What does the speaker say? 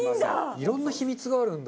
いろんな秘密があるんだ。